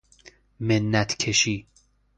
منت کشی